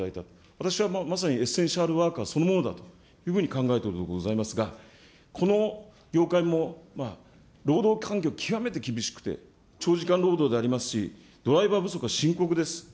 私はまさにエッセンシャルワーカーそのものだというふうに考えているところでございますが、この業界も労働環境、極めて厳しくて、長時間労働でありますし、ドライバー不足は深刻です。